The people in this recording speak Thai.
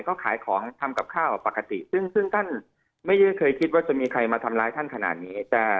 ก็ขายของทำกับข้าวปกติซึ่งท่านไม่ได้เคยคิดว่าจะมีใครมาทำร้ายท่านขนาดนี้